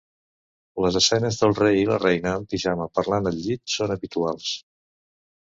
Les escenes del rei i la reina en pijama, parlant al llit, són habituals.